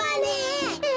え